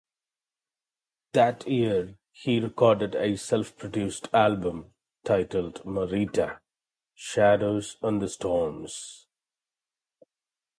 That year he recorded a self-produced album titled "Marita: Shadows and Storms".